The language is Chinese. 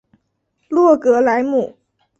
洛格莱姆。